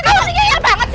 kau pentingnya ia banget sih